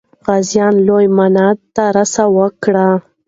غازیان لوی مانده ته را سوه کړه.